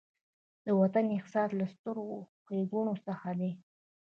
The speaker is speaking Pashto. د وطن احساس له سترو ښېګڼو څخه دی.